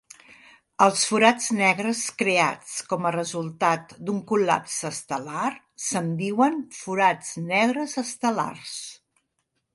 Els forats negres creats com a resultat d'un col·lapse estel·lar se'n diuen forats negres estel·lars.